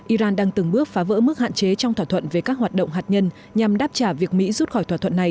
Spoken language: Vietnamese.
iran đang từng bước phá vỡ mức hạn chế trong thỏa thuận về các hoạt động hạt nhân nhằm đáp trả việc mỹ rút khỏi thỏa thuận này